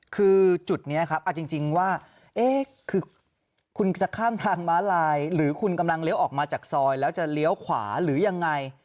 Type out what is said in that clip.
คือจุดนี้ครับเอาจริงว่าคือคุณจะข้ามทางม้าลายหรือคุณกำลังเลี้ยวออกมาจากซอยแล้วจะเลี้ยวขวาหรือยังไง